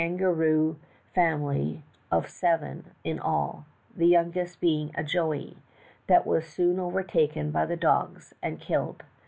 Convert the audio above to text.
241 garoo family of seven in all; the youngest being a 'joey' that as soon overtaken by the dogs and killed.